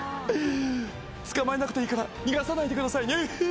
捕まえなくていいから逃がさないでくださいウフフ！